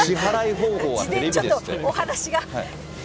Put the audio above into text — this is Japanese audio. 事前にちょっとお話が。